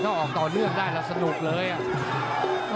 ถ้าออกต่อเนื่องได้แล้วสนุกเลยอ่ะ